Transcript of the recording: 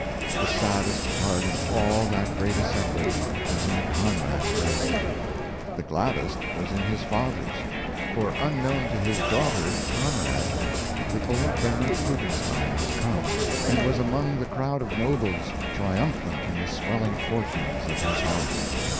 The saddest heart in all that great assemblage was in Conrad's breast. The gladdest was in his father's. For, unknown to his daughter "Conrad," the old Baron Klugenstein was come, and was among the crowd of nobles, triumphant in the swelling fortunes of his house.